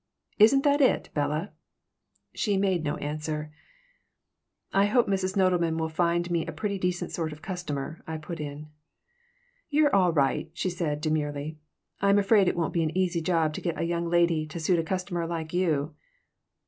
Isn't that it, Bella?" She made no answer "I hope Mrs. Nodelman will find me a pretty decent sort of customer," I put in. "You're all right," she said, demurely. "I'm afraid it won't be an easy job to get a young lady to suit a customer like you."